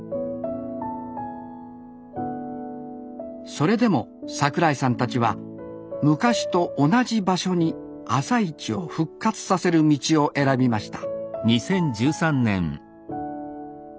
それでも櫻井さんたちは昔と同じ場所に朝市を復活させる道を選びました